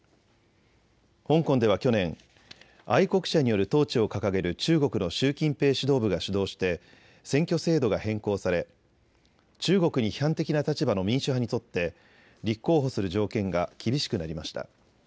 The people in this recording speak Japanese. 香港では去年、愛国者による統治を掲げる中国の習近平指導部が主導して選挙制度が変更され、中国に批判的な立場の民主派にとって立候補する条件が厳しくなりました。